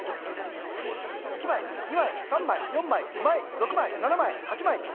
１まい２まい３まい４まい５まい６まい７まい８まい。